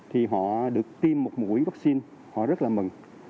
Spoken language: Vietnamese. thì họ được tiêm một mũi vaccine họ rất là mừng